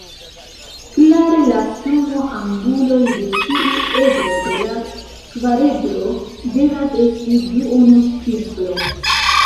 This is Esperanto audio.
Klare la sumo anguloj de ĉiu edro de la kvaredro devas esti duono-cirklo.